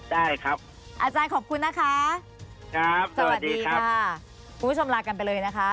ได้ครับอาจารย์ขอบคุณนะคะครับสวัสดีค่ะคุณผู้ชมลากันไปเลยนะคะ